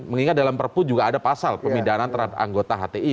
mengingat dalam perpu juga ada pasal pemindahan terhadap anggota hti